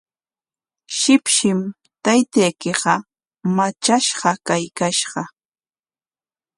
Shipshim taytaykiqa matrashqa kaykashqa.